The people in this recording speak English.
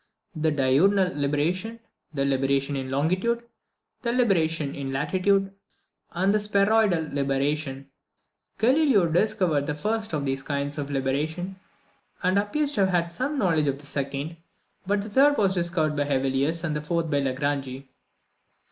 the diurnal libration, the libration in longitude, the libration in latitude, and the spheroidal libration. Galileo discovered the first of these kinds of libration, and appears to have had some knowledge of the second; but the third was discovered by Hevelius, and the fourth by Lagrange.